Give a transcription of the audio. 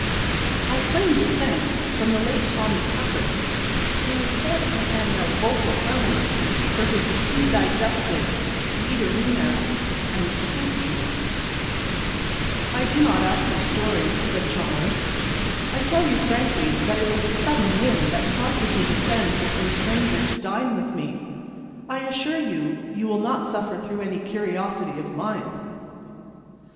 I claim descent from the late Tommy Tucker, who was forced to hand out vocal harmony for his pre digested wheaterina and spoopju." "I do not ask your story," said Chalmers. "I tell you frankly that it was a sudden whim that prompted me to send for some stranger to dine with me. I assure you you will not suffer through any curiosity of mine."